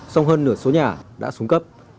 sông hơn nửa số nhà đã xuống cấp